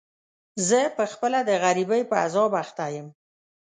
زه په خپله د غريبۍ په عذاب اخته يم.